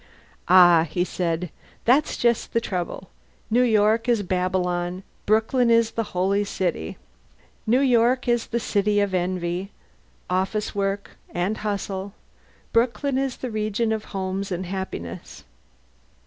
"Ah!" he said. "That's just the trouble. New York is Babylon; Brooklyn is the true Holy City. New York is the city of envy, office work, and hustle; Brooklyn is the region of homes and happiness.